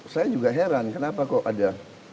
saya juga heran kenapa kok ada